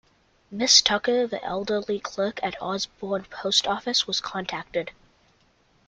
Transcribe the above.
Miss Tucker, the elderly clerk at Osborne Post Office, was contacted.